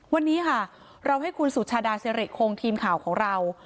วันนี้ค่ะเราให้คุณสุชาดาสิริคงทีมข่าวของเรา